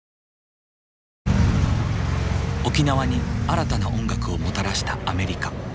沖縄に新たな音楽をもたらしたアメリカ。